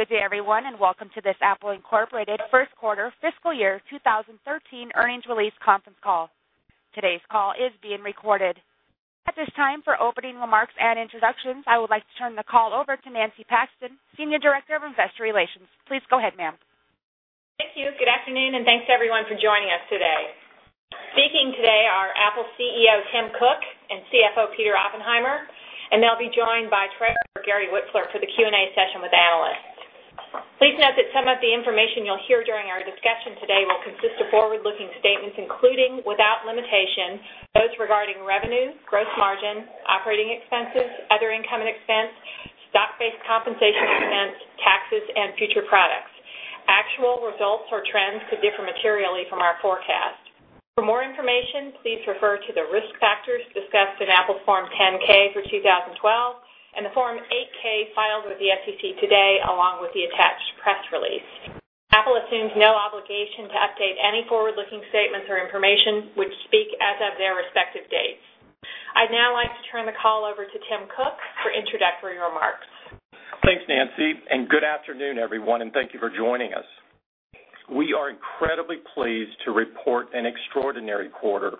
Good day everyone, and welcome to this Apple Inc. first quarter fiscal year 2013 earnings release conference call. Today's call is being recorded. At this time, for opening remarks and introductions, I would like to turn the call over to Nancy Paxton, Senior Director of Investor Relations. Please go ahead, ma'am. Thank you. Good afternoon, and thanks everyone for joining us today. Speaking today are Apple CEO Tim Cook and CFO Peter Oppenheimer, and they'll be joined by Treasurer Gary Wipfler for the Q&A session with analysts. Please note that some of the information you'll hear during our discussion today will consist of forward-looking statements, including without limitation, those regarding revenue, gross margin, operating expenses, other income and expense, stock-based compensation expense, taxes, and future products. Actual results or trends could differ materially from our forecast. For more information, please refer to the risk factors discussed in Apple's Form 10-K for 2012 and the Form 8-K filed with the SEC today, along with the attached press release. Apple assumes no obligation to update any forward-looking statements or information, which speak as of their respective dates. I'd now like to turn the call over to Tim Cook for introductory remarks. Thanks, Nancy, and good afternoon, everyone, and thank you for joining us. We are incredibly pleased to report an extraordinary quarter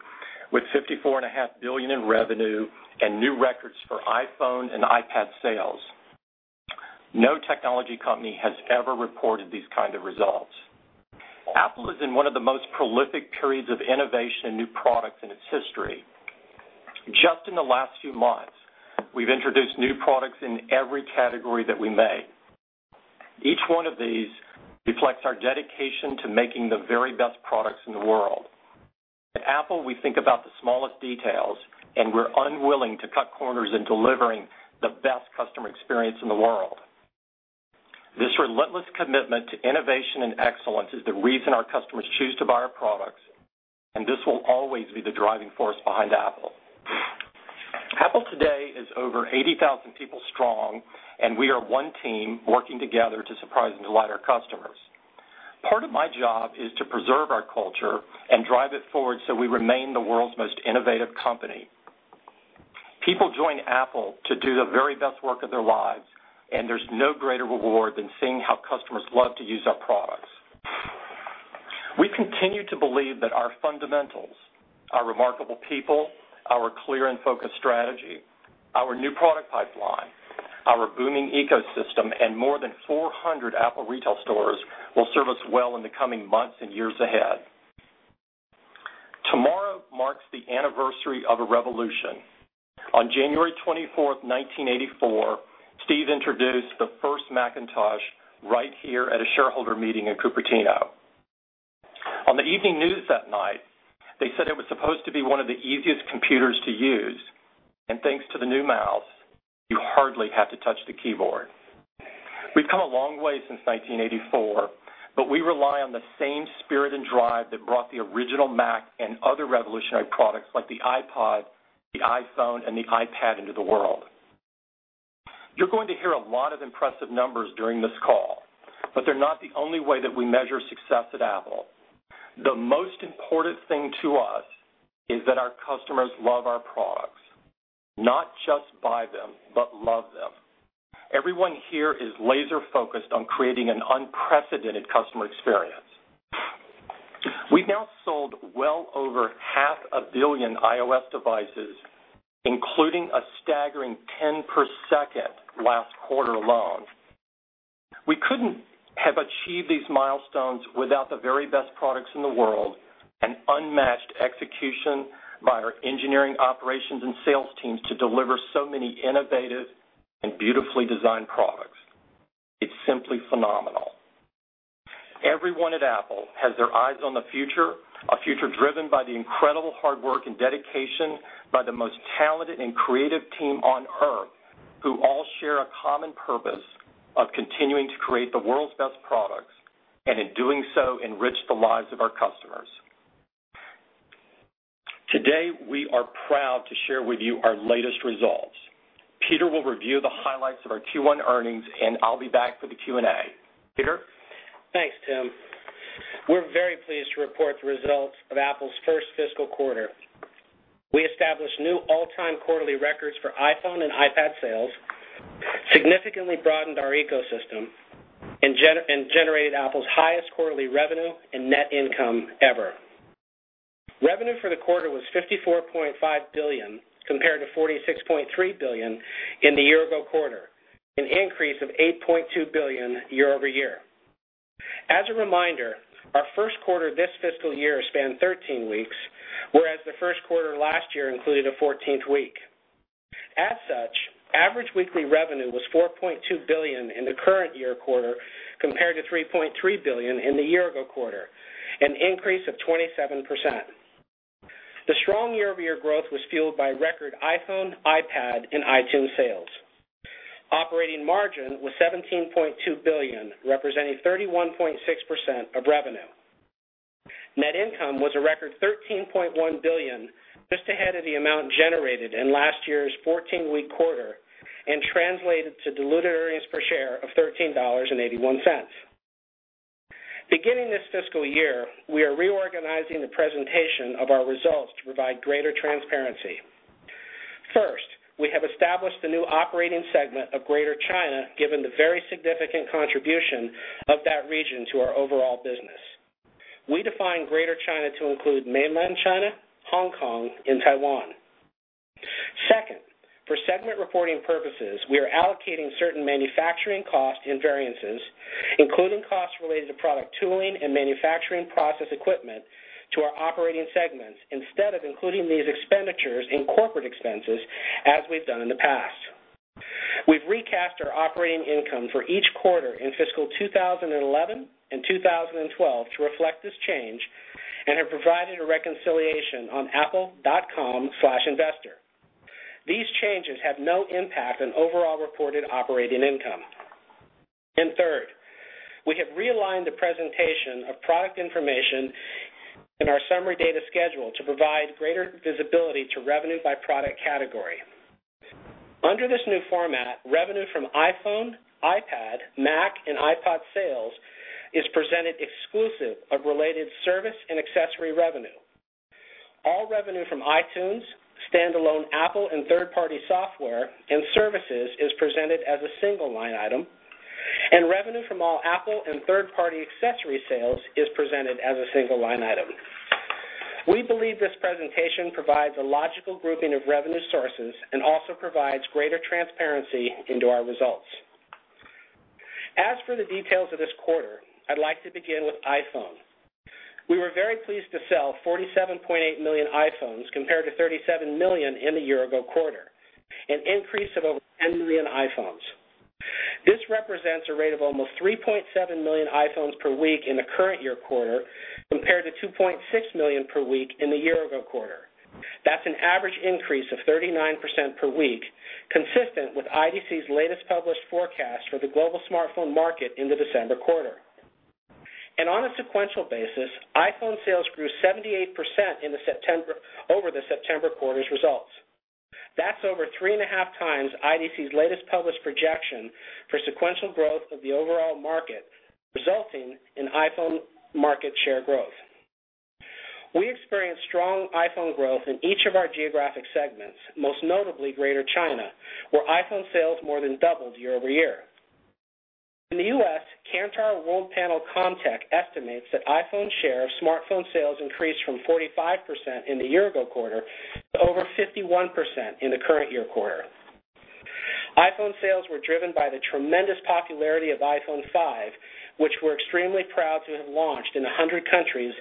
with $54.5 billion in revenue and new records for iPhone and iPad sales. No technology company has ever reported these kind of results. Apple is in one of the most prolific periods of innovation and new products in its history. Just in the last few months, we've introduced new products in every category that we make. Each one of these reflects our dedication to making the very best products in the world. At Apple, we think about the smallest details. We're unwilling to cut corners in delivering the best customer experience in the world. This relentless commitment to innovation and excellence is the reason our customers choose to buy our products. This will always be the driving force behind Apple. Apple today is over 80,000 people strong. We are one team working together to surprise and delight our customers. Part of my job is to preserve our culture and drive it forward so we remain the world's most innovative company. People join Apple to do the very best work of their lives. There's no greater reward than seeing how customers love to use our products. We continue to believe that our fundamentals, our remarkable people, our clear and focused strategy, our new product pipeline, our booming ecosystem, and more than 400 Apple retail stores will serve us well in the coming months and years ahead. Tomorrow marks the Anniversary of a revolution. On January 24th, 1984, Steve introduced the first Macintosh right here at a shareholder meeting in Cupertino. On the evening news that night, they said it was supposed to be one of the easiest computers to use, and thanks to the new mouse, you hardly have to touch the keyboard. We've come a long way since 1984, but we rely on the same spirit and drive that brought the original Mac and other revolutionary products like the iPod, the iPhone, and the iPad into the world. You're going to hear a lot of impressive numbers during this call, but they're not the only way that we measure success at Apple. The most important thing to us is that our customers love our products, not just buy them, but love them. Everyone here is laser-focused on creating an unprecedented customer experience. We've now sold well over 0.5 billion iOS devices, including a staggering 10 per second last quarter alone. We couldn't have achieved these milestones without the very best products in the world and unmatched execution by our engineering operations and sales teams to deliver so many innovative and beautifully designed products. It's simply phenomenal. Everyone at Apple has their eyes on the future, a future driven by the incredible hard work and dedication by the most talented and creative team on Earth, who all share a common purpose of continuing to create the world's best products, and in doing so, enrich the lives of our customers. Today, we are proud to share with you our latest results. Peter will review the highlights of our Q1 earnings, and I'll be back for the Q&A. Peter? Thanks, Tim. We're very pleased to report the results of Apple's first fiscal quarter. We established new all-time quarterly records for iPhone and iPad sales, significantly broadened our ecosystem, and generated Apple's highest quarterly revenue and net income ever. Revenue for the quarter was $54.5 billion, compared to $46.3 billion in the year-ago quarter, an increase of $8.2 billion year-over-year. As a reminder, our first quarter this fiscal year spanned 13 weeks, whereas the first quarter last year included a 14th week. Average weekly revenue was $4.2 billion in the current year quarter, compared to $3.3 billion in the year-ago quarter, an increase of 27%. The strong year-over-year growth was fueled by record iPhone, iPad, and iTunes sales. Operating margin was $17.2 billion, representing 31.6% of revenue. Net income was a record $13.1 billion, just ahead of the amount generated in last year's 14-week quarter and translated to diluted earnings per share of $13.81. Beginning this fiscal year, we are reorganizing the presentation of our results to provide greater transparency. First, we have established the new operating segment of Greater China, given the very significant contribution of that region to our overall business. We define Greater China to include Mainland China, Hong Kong, and Taiwan. Second, for segment reporting purposes, we are allocating certain manufacturing costs and variances, including costs related to product tooling and manufacturing process equipment to our operating segments, instead of including these expenditures in corporate expenses as we've done in the past. We've recast our operating income for each quarter in fiscal 2011 and 2012 to reflect this change and have provided a reconciliation on apple.com/investor. These changes have no impact on overall reported operating income. Third, we have realigned the presentation of product information in our summary data schedule to provide greater visibility to revenue by product category. Under this new format, revenue from iPhone, iPad, Mac, and iPod sales is presented exclusive of related service and accessory revenue. All revenue from iTunes, standalone Apple and third-party software and services is presented as a single line item, and revenue from all Apple and third-party accessory sales is presented as a single line item. We believe this presentation provides a logical grouping of revenue sources and also provides greater transparency into our results. As for the details of this quarter, I'd like to begin with iPhone. We were very pleased to sell 47.8 million iPhones compared to 37 million in the year-ago quarter, an increase of over 10 million iPhones. This represents a rate of almost 3.7 million iPhones per week in the current year quarter, compared to 2.6 million per week in the year-ago quarter. That's an average increase of 39% per week, consistent with IDC's latest published forecast for the global smartphone market in the December quarter. On a sequential basis, iPhone sales grew 78% over the September quarter's results. That's over 3.5 times IDC's latest published projection for sequential growth of the overall market, resulting in iPhone market share growth. We experienced strong iPhone growth in each of our geographic segments, most notably Greater China, where iPhone sales more than doubled year-over-year. In the U.S., Kantar Worldpanel ComTech estimates that iPhone share of smartphone sales increased from 45% in the year ago quarter to over 51% in the current year quarter. iPhone sales were driven by the tremendous popularity of iPhone 5, which we're extremely proud to have launched in 100 countries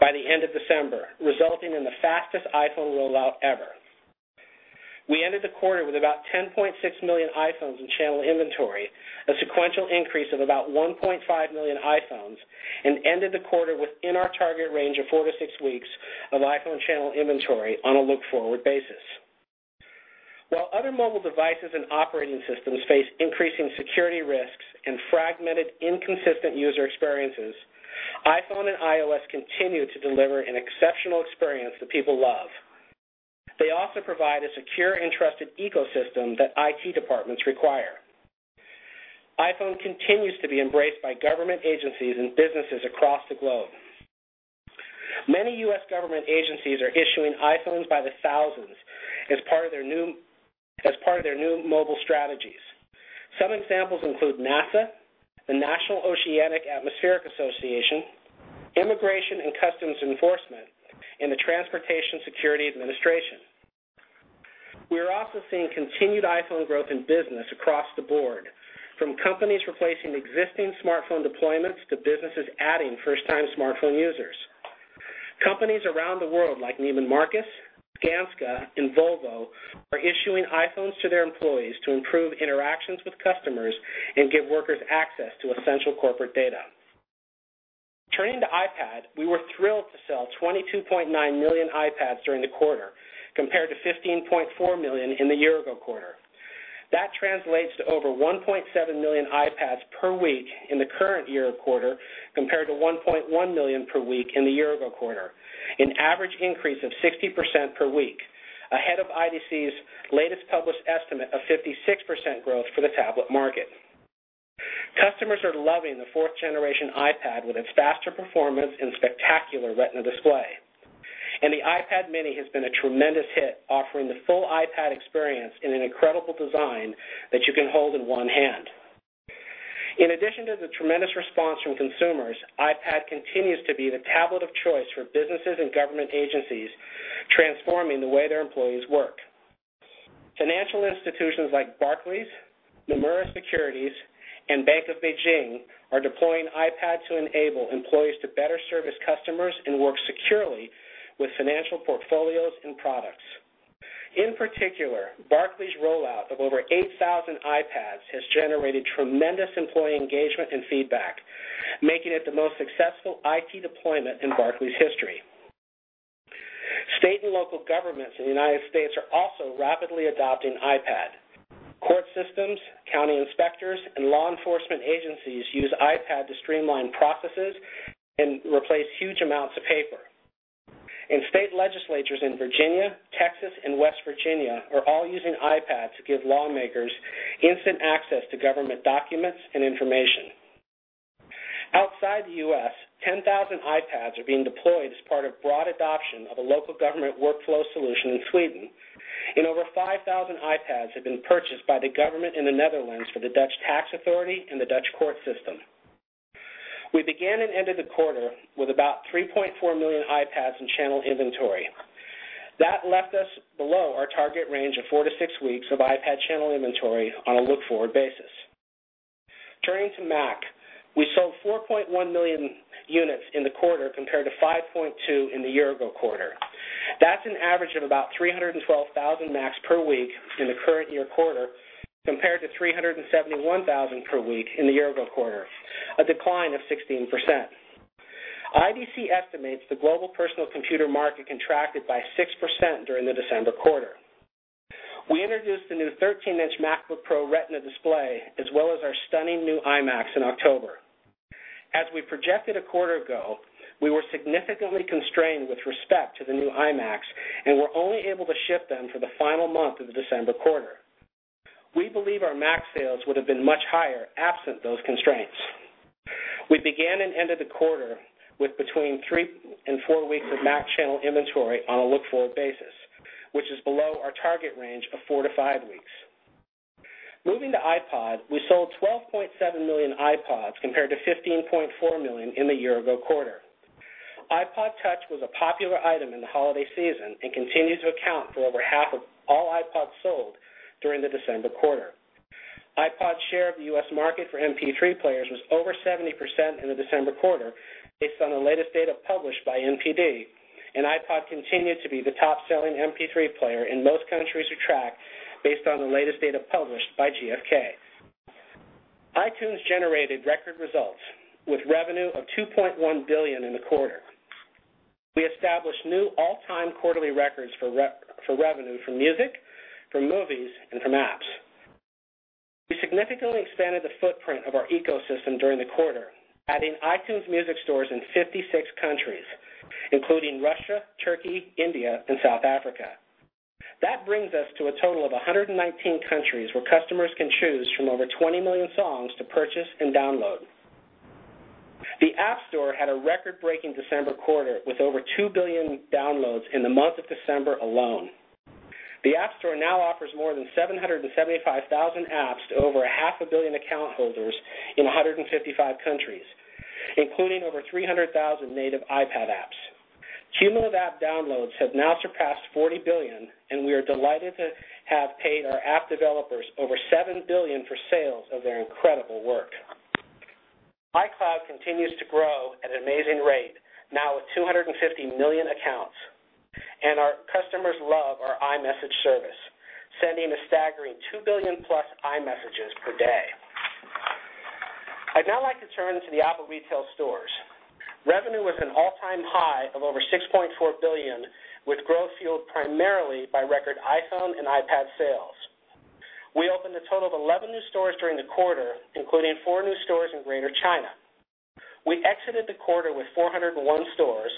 by the end of December, resulting in the fastest iPhone rollout ever. We ended the quarter with about 10.6 million iPhones in channel inventory, a sequential increase of about 1.5 million iPhones, and ended the quarter within our target range of four to six weeks of iPhone channel inventory on a look-forward basis. While other mobile devices and operating systems face increasing security risks and fragmented, inconsistent user experiences, iPhone and iOS continue to deliver an exceptional experience that people love. They also provide a secure and trusted ecosystem that IT departments require. iPhone continues to be embraced by government agencies and businesses across the globe. Many U.S. government agencies are issuing iPhones by the thousands as part of their new mobile strategies. Some examples include NASA, the National Oceanic and Atmospheric Administration, Immigration and Customs Enforcement, and the Transportation Security Administration. We are also seeing continued iPhone growth in business across the board, from companies replacing existing smartphone deployments to businesses adding first-time smartphone users. Companies around the world like Neiman Marcus, Skanska, and Volvo are issuing iPhones to their employees to improve interactions with customers and give workers access to essential corporate data. Turning to iPad, we were thrilled to sell 22.9 million iPads during the quarter, compared to 15.4 million in the year ago quarter. That translates to over 1.7 million iPads per week in the current year quarter, compared to 1.1 million per week in the year ago quarter, an average increase of 60% per week, ahead of IDC's latest published estimate of 56% growth for the tablet market. Customers are loving the fourth generation iPad with its faster performance and spectacular Retina display. The iPad mini has been a tremendous hit, offering the full iPad experience in an incredible design that you can hold in one hand. In addition to the tremendous response from consumers, iPad continues to be the tablet of choice for businesses and government agencies, transforming the way their employees work. Financial institutions like Barclays, Nomura Securities, and Bank of Beijing are deploying iPad to enable employees to better service customers and work securely with financial portfolios and products. In particular, Barclays' rollout of over 8,000 iPads has generated tremendous employee engagement and feedback, making it the most successful IT deployment in Barclays' history. State and local governments in the United States are also rapidly adopting iPad. Court systems, county inspectors, and law enforcement agencies use iPad to streamline processes and replace huge amounts of paper. State legislatures in Virginia, Texas, and West Virginia are all using iPad to give lawmakers instant access to government documents and information. Outside the U.S., 10,000 iPads are being deployed as part of broad adoption of a local government workflow solution in Sweden. Over 5,000 iPads have been purchased by the government in the Netherlands for the Tax and Customs Administration and the Dutch court system. We began and ended the quarter with about 3.4 million iPads in channel inventory. That left us below our target range of four to six weeks of iPad channel inventory on a look-forward basis. Turning to Mac, we sold 4.1 million units in the quarter compared to 5.2 million in the year-ago quarter. That's an average of about 312,000 Macs per week in the current year quarter, compared to 371,000 per week in the year-ago quarter, a decline of 16%. IDC estimates the global personal computer market contracted by 6% during the December quarter. We introduced the new 13-inch MacBook Pro Retina display, as well as our stunning new iMacs in October. As we projected a quarter ago, we were significantly constrained with respect to the new iMacs, and were only able to ship them for the final month of the December quarter. We believe our Mac sales would have been much higher absent those constraints. We began and ended the quarter with between three and four weeks of Mac channel inventory on a look-forward basis, which is below our target range of four to five weeks. Moving to iPod, we sold 12.7 million iPods compared to 15.4 million in the year-ago quarter. iPod touch was a popular item in the holiday season and continues to account for over half of all iPods sold during the December quarter. iPod's share of the U.S. market for MP3 players was over 70% in the December quarter based on the latest data published by NPD, and iPod continued to be the top-selling MP3 player in most countries who track based on the latest data published by GfK. iTunes generated record results with revenue of $2.1 billion in the quarter. We established new all-time quarterly records for revenue from music, from movies, and from apps. We significantly expanded the footprint of our ecosystem during the quarter, adding iTunes music stores in 56 countries, including Russia, Turkey, India, and South Africa. That brings us to a total of 119 countries where customers can choose from over 20 million songs to purchase and download. The App Store had a record-breaking December quarter with over 2 billion downloads in the month of December alone. The App Store now offers more than 775,000 apps to over a half a billion account holders in 155 countries, including over 300,000 native iPad apps. Cumulative app downloads have now surpassed 40 billion, and we are delighted to have paid our app developers over $7 billion for sales of their incredible work. iCloud continues to grow at an amazing rate, now with 250 million accounts, and our customers love our iMessage service, sending a staggering 2 billion+ iMessages per day. I'd now like to turn to the Apple retail stores. Revenue was an all-time high of over $6.4 billion, with growth fueled primarily by record iPhone and iPad sales. We opened a total of 11 new stores during the quarter, including four new stores in Greater China. We exited the quarter with 401 stores,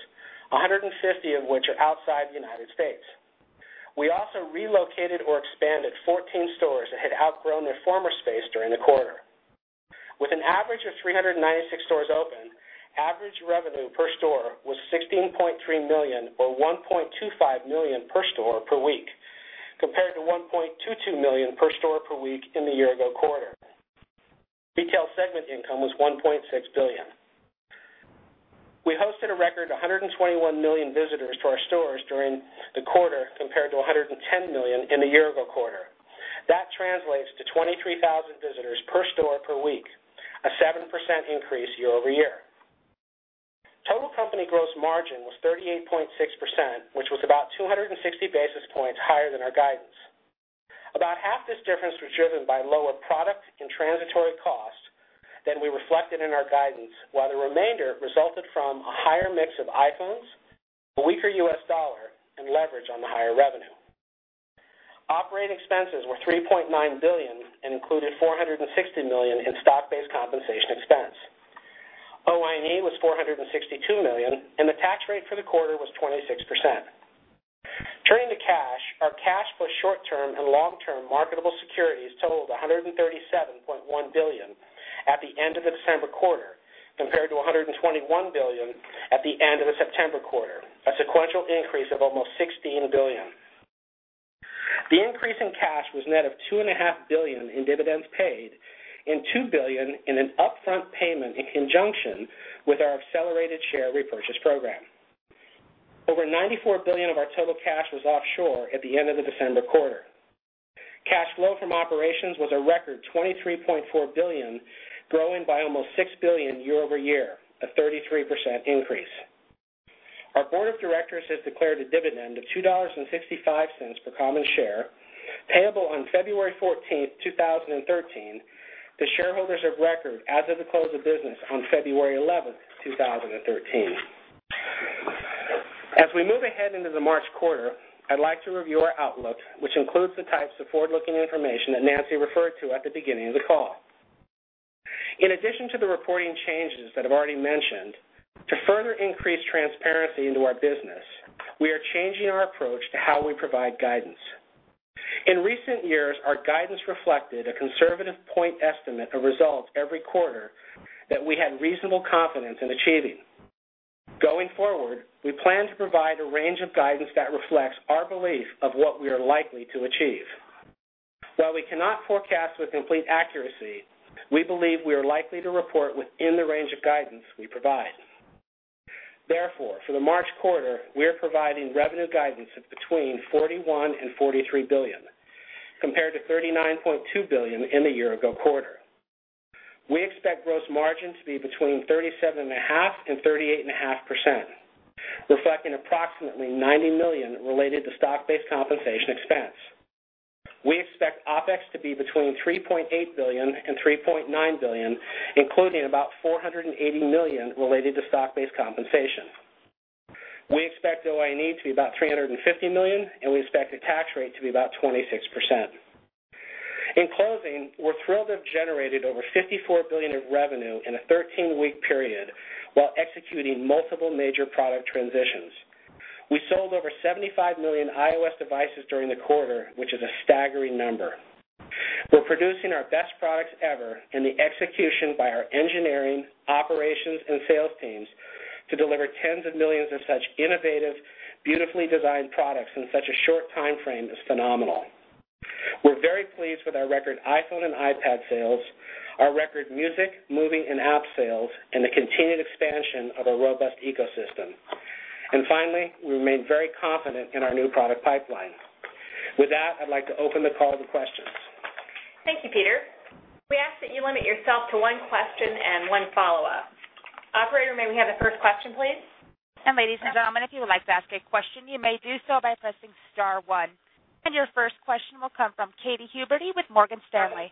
150 of which are outside the U.S. We also relocated or expanded 14 stores that had outgrown their former space during the quarter. With an average of 396 stores open, average revenue per store was $16.3 million or $1.25 million per store per week, compared to $1.22 million per store per week in the year-ago quarter. Retail segment income was $1.6 billion. We hosted a record 121 million visitors to our stores during the quarter compared to 110 million in the year-ago quarter. That translates to 23,000 visitors per store per week, a 7% increase year-over-year. Total company gross margin was 38.6%, which was about 260 basis points higher than our guidance. About half this difference was driven by lower product and transition costs than we reflected in our guidance, while the remainder resulted from a higher mix of iPhones, a weaker U.S. dollar, and leverage on the higher revenue. Operating expenses were $3.9 billion and included $460 million in stock-based compensation expense. OIE was $462 million, and the tax rate for the quarter was 26%. Turning to cash, our cash plus short-term and long-term marketable securities totaled $137.1 billion at the end of the December quarter, compared to $121 billion at the end of the September quarter, a sequential increase of almost $16 billion. The increase in cash was net of $2.5 billion in dividends paid and $2 billion in an upfront payment in conjunction with our accelerated share repurchase program. Over $94 billion of our total cash was offshore at the end of the December quarter. Cash flow from operations was a record $23.4 billion, growing by almost $6 billion year-over-year, a 33% increase. Our board of directors has declared a dividend of $2.55 per common share, payable on February 14, 2013 to shareholders of record as of the close of business on February 11, 2013. As we move ahead into the March quarter, I'd like to review our outlook, which includes the types of forward-looking information that Nancy Paxton referred to at the beginning of the call. In addition to the reporting changes that I've already mentioned, to further increase transparency into our business, we are changing our approach to how we provide guidance. In recent years, our guidance reflected a conservative point estimate of results every quarter that we had reasonable confidence in achieving. Going forward, we plan to provide a range of guidance that reflects our belief of what we are likely to achieve. While we cannot forecast with complete accuracy, we believe we are likely to report within the range of guidance we provide. Therefore, for the March quarter, we are providing revenue guidance of between $41 billion and $43 billion, compared to $39.2 billion in the year ago quarter. We expect gross margin to be between 37.5% and 38.5%, reflecting approximately $90 million related to stock-based compensation expense. We expect OpEx to be between $3.8 billion and $3.9 billion, including about $480 million related to stock-based compensation. We expect OIE to be about $350 million. We expect the tax rate to be about 26%. In closing, we're thrilled to have generated over $54 billion in revenue in a 13-week period while executing multiple major product transitions. We sold over 75 million iOS devices during the quarter, which is a staggering number. We're producing our best products ever in the execution by our engineering, operations, and sales teams to deliver tens of millions of such innovative, beautifully designed products in such a short timeframe is phenomenal. We're very pleased with our record iPhone and iPad sales, our record music, movie, and App sales, and the continued expansion of our robust ecosystem. Finally, we remain very confident in our new product pipeline. With that, I'd like to open the call to questions. Thank you, Peter. We ask that you limit yourself to one question and one follow-up. Operator, may we have the first question, please? Ladies and gentlemen, if you would like to ask a question, you may do so by pressing star one. Your first question will come from Katy Huberty with Morgan Stanley.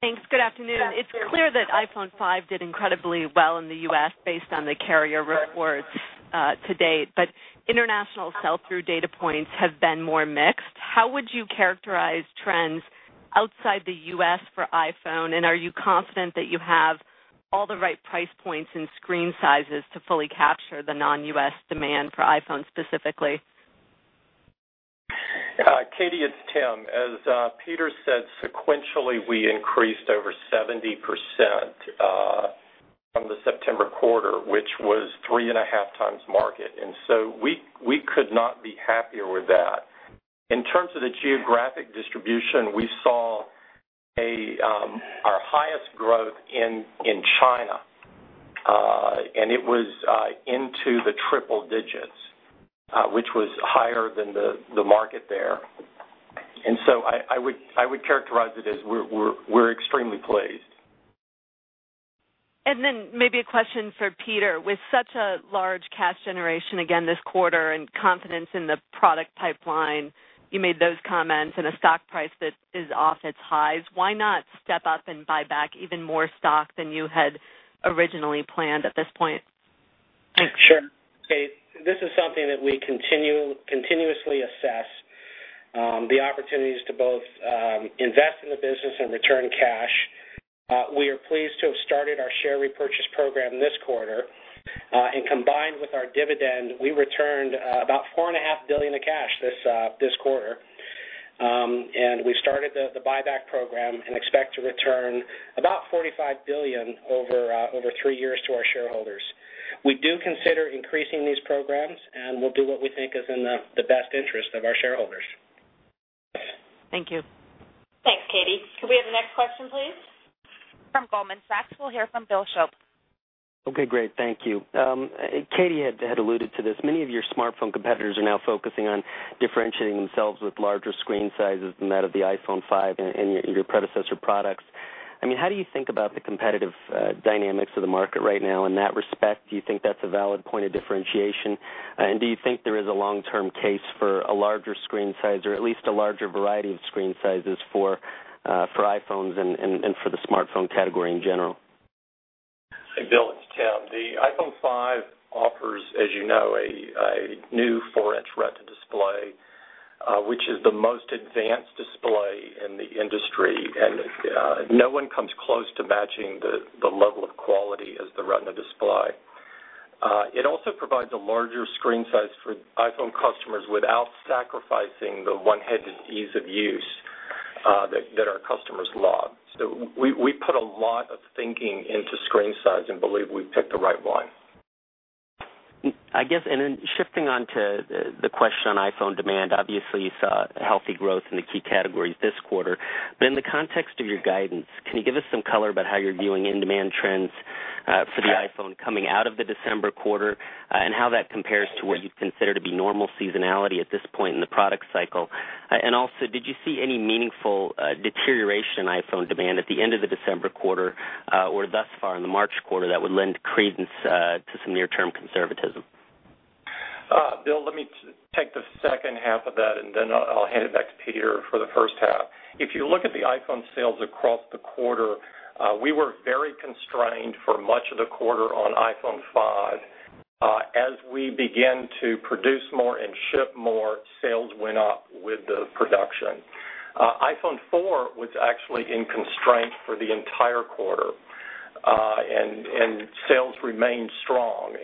Thanks. Good afternoon. It's clear that iPhone 5 did incredibly well in the U.S. based on the carrier reports to date, but international sell-through data points have been more mixed. How would you characterize trends outside the U.S. for iPhone, and are you confident that you have all the right price points and screen sizes to fully capture the non-U.S. demand for iPhone specifically? Katy, it's Tim. As Peter said, sequentially, we increased over 70% from the September quarter, which was three and a half times market. We could not be happier with that. In terms of the geographic distribution, we saw our highest growth in China, and it was into the triple digits, which was higher than the market there. I would characterize it as we're extremely pleased. Maybe a question for Peter. With such a large cash generation again this quarter and confidence in the product pipeline, you made those comments and a stock price that is off its highs. Why not step up and buy back even more stock than you had originally planned at this point? Sure. Kate, this is something that we continuously assess, the opportunities to both invest in the business and return cash. We are pleased to have started our share repurchase program this quarter. Combined with our dividend, we returned about $4.5 Billion of cash this quarter. We started the buyback program and expect to return about $45 billion over three years to our shareholders. We do consider increasing these programs, and we'll do what we think is in the best interest of our shareholders. Thank you. Thanks, Katy. Could we have the next question, please? From Goldman Sachs, we'll hear from Bill Shope. Okay, great. Thank you. Katy Huberty had alluded to this. Many of your smartphone competitors are now focusing on differentiating themselves with larger screen sizes than that of the iPhone 5 and your predecessor products. I mean, how do you think about the competitive dynamics of the market right now in that respect? Do you think that's a valid point of differentiation? Do you think there is a long-term case for a larger screen size or at least a larger variety of screen sizes for iPhones and for the smartphone category in general? Hey, Bill, it's Tim. The iPhone 5 offers, as you know, a new 4-inch Retina display, which is the most advanced display in the industry. No one comes close to matching the level of quality as the Retina display. It also provides a larger screen size for iPhone customers without sacrificing the one-handed ease of use that our customers love. We put a lot of thinking into screen size and believe we've picked the right one. I guess, shifting on to the question on iPhone demand, obviously you saw healthy growth in the key categories this quarter. In the context of your guidance, can you give us some color about how you're viewing end demand trends for the iPhone coming out of the December quarter, and how that compares to what you'd consider to be normal seasonality at this point in the product cycle? Also, did you see any meaningful deterioration in iPhone demand at the end of the December quarter, or thus far in the March quarter that would lend credence to some near-term conservatism? Bill, let me take the second half of that, and then I'll hand it back to Peter for the first half. If you look at the iPhone sales across the quarter, we were very constrained for much of the quarter on iPhone 5. As we begin to produce more and ship more, sales went up with the production. iPhone 4 was actually in constraint for the entire quarter. Sales remained strong.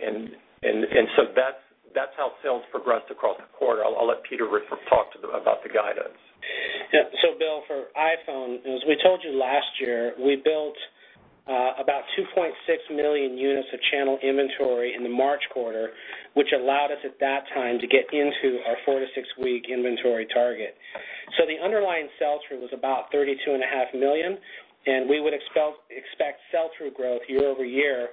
That's how sales progressed across the quarter. I'll let Peter talk to the about the guidance. Yeah. Bill, for iPhone, as we told you last year, we built about 2.6 million units of channel inventory in the March quarter, which allowed us at that time to get into our four to six week inventory target. The underlying sell-through was about 32.5 million, and we would expect sell-through growth year-over-year,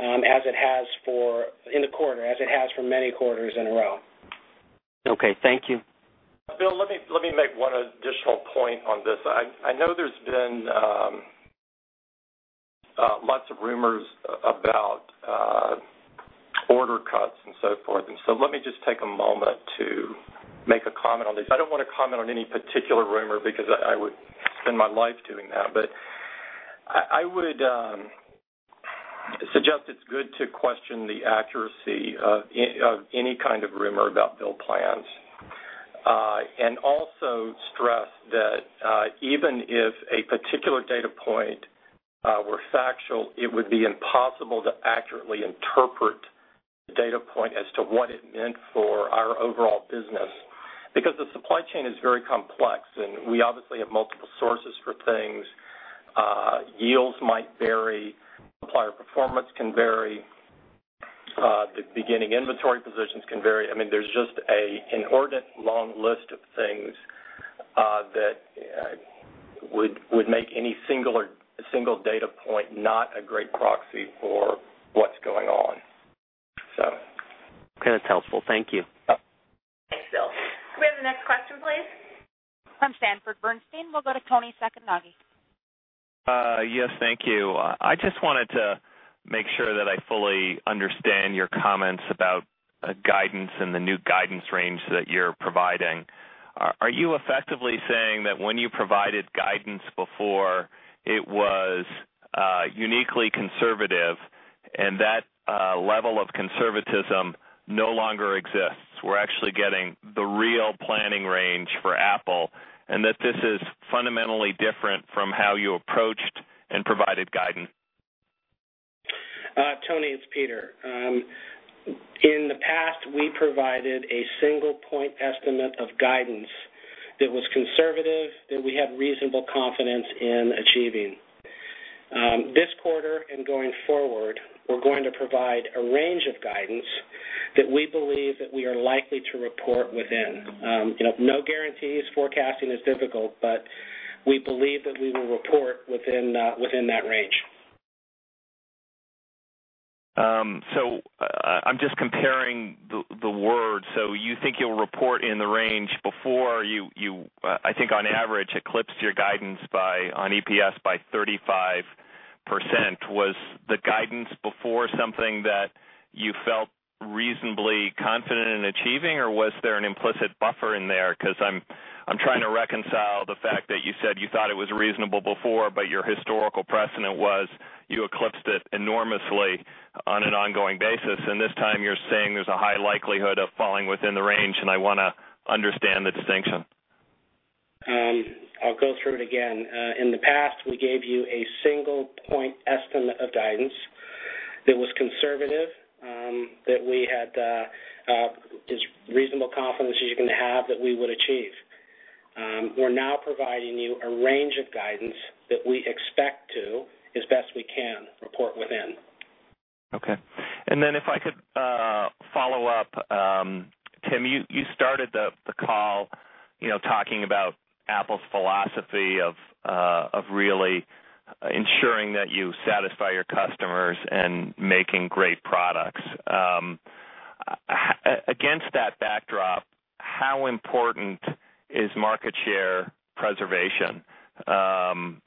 as it has for in the quarter, as it has for many quarters in a row. Okay, thank you. Bill, let me make one additional point on this. I know there's been lots of rumors about order cuts and so forth, let me just take a moment to make a comment on this. I don't wanna comment on any particular rumor because I would spend my life doing that. I would suggest it's good to question the accuracy of any kind of rumor about build plans. Also stress that even if a particular data point were factual, it would be impossible to accurately interpret the data point as to what it meant for our overall business because the supply chain is very complex, we obviously have multiple sources for things. Yields might vary, supplier performance can vary. The beginning inventory positions can vary. I mean, there's just an inordinate long list of things that would make any single data point not a great proxy for what's going on. Okay, that's helpful. Thank you. Yep. Thanks, Bill. Could we have the next question, please? From Sanford Bernstein, we'll go to Toni Sacconaghi. Yes, thank you. I just wanted to make sure that I fully understand your comments about guidance and the new guidance range that you're providing. Are you effectively saying that when you provided guidance before, it was uniquely conservative and that level of conservatism no longer exists? We're actually getting the real planning range for Apple, and that this is fundamentally different from how you approached and provided guidance. Toni, it's Peter. In the past, we provided a single point estimate of guidance that was conservative, that we had reasonable confidence in achieving. This quarter and going forward, we're going to provide a range of guidance that we believe that we are likely to report within. You know, no guarantees. Forecasting is difficult, but we believe that we will report within that range. I'm just comparing the words. You think you'll report in the range before you, I think on average, eclipsed your guidance by, on EPS by 35%. Was the guidance before something that you felt reasonably confident in achieving, or was there an implicit buffer in there? I'm trying to reconcile the fact that you said you thought it was reasonable before, but your historical precedent was you eclipsed it enormously on an ongoing basis. This time you're saying there's a high likelihood of falling within the range, and I wanna understand the distinction. I'll go through it again. In the past, we gave you a single point estimate of guidance that was conservative, that we had as reasonable confidence as you can have that we would achieve. We're now providing you a range of guidance that we expect to, as best we can, report within. Okay. If I could follow up. Tim, you started the call, you know, talking about Apple's philosophy of really ensuring that you satisfy your customers and making great products. Against that backdrop, how important is market share preservation?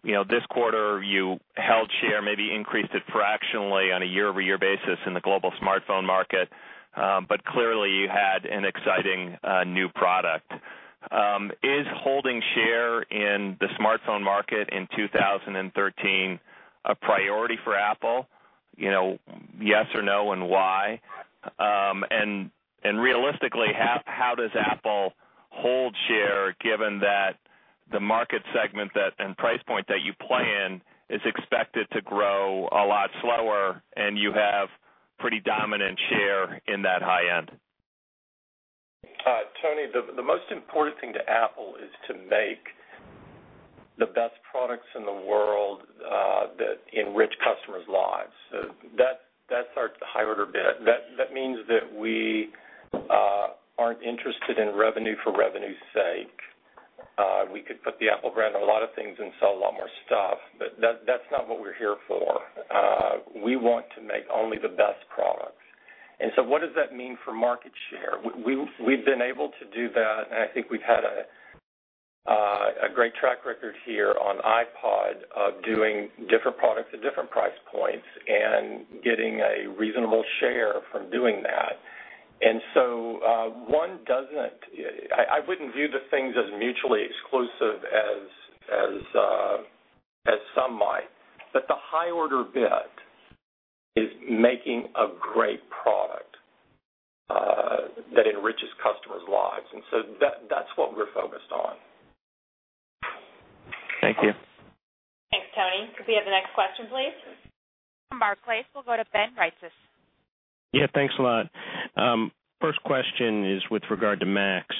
You know, this quarter you held share, maybe increased it fractionally on a year-over-year basis in the global smartphone market, but clearly you had an exciting new product. Is holding share in the smartphone market in 2013 a priority for Apple? You know, yes or no, and why? Realistically, how does Apple hold share given that the market segment that, and price point that you play in is expected to grow a lot slower and you have pretty dominant share in that high end? Toni, the most important thing to Apple is to make the best products in the world that enrich customers' lives. That, that's our high order bit. That, that means that we aren't interested in revenue for revenue's sake. We could put the Apple brand on a lot of things and sell a lot more stuff, but that's not what we're here for. We want to make only the best products. What does that mean for market share? We've been able to do that, and I think we've had a great track record here on iPod of doing different products at different price points and getting a reasonable share from doing that. One doesn't, I wouldn't view the things as mutually exclusive as some might. The high order bit is making a great product that enriches customers' lives, and so that's what we're focused on. Thank you. Thanks, Toni. Could we have the next question, please? From Barclays, we'll go to Ben Reitzes. Yeah. Thanks a lot. First question is with regard to Macs.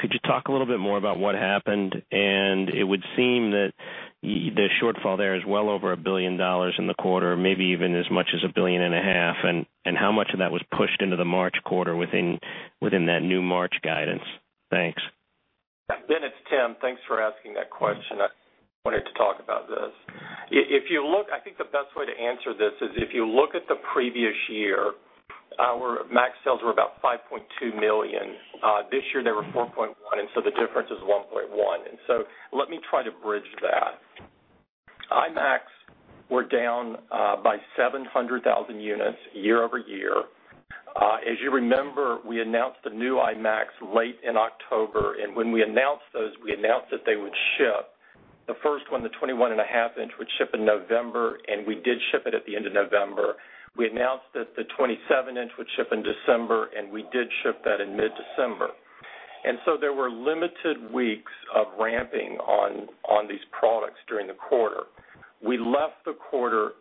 Could you talk a little bit more about what happened? It would seem that the shortfall there is well over $1 billion in the quarter, maybe even as much as $1.5 billion, and how much of that was pushed into the March quarter within that new March guidance? Thanks. Ben, it's Tim. Thanks for asking that question. I wanted to talk about this. I think the best way to answer this is if you look at the previous year, our Mac sales were about $5.2 million. This year they were $4.1 million, the difference is $1.1 million. Let me try to bridge that. iMacs were down by 700,000 units year-over-year. As you remember, we announced the new iMacs late in October, and when we announced those, we announced that they would ship, the first one, the 21.5 inch, would ship in November, and we did ship it at the end of November. We announced that the 27 inch would ship in December, and we did ship that in mid-December. There were limited weeks of ramping on these products during the quarter. We left the quarter